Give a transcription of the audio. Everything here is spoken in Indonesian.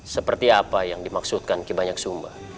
seperti apa yang dimaksudkan kibanyak sumba